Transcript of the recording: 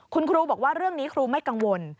คุณครูบอกว่าเรื่องนี้ครูไม่กังวล